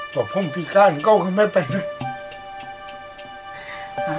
แต่ผมพิการเขาก็ไม่ไปเลย